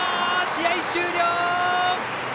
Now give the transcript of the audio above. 試合終了！